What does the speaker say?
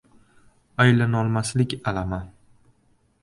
Aylanolmaslik alami…